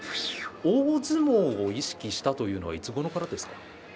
大相撲を意識したのはいつごろからですか。